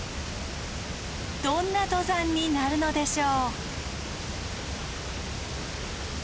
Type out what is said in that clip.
どんな登山になるのでしょう？